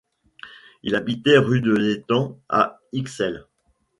Il habitait rue de l’Étang à Ixelles.